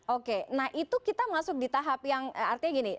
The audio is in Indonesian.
oke nah itu kita masuk di tahap yang artinya gini